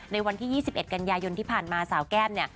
ในวันที่๒๑กันยายนที่ผ่านมาสาวแก้มเนี่ย